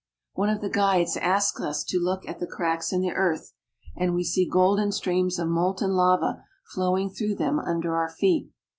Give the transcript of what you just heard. One of the guides asks us to look at the cracks in the earth ; and we see golden streams of molten lava flowing through them under our feet.